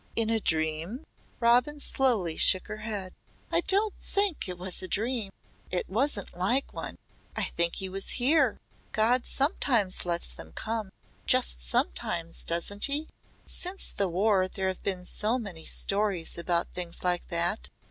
"In a dream?" Robin slowly shook her head. "I don't think it was a dream. It wasn't like one. I think he was here. God sometimes lets them come just sometimes doesn't he? Since the War there have been so many stories about things like that.